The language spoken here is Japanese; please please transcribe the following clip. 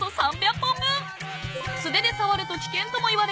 ［素手で触ると危険ともいわれる］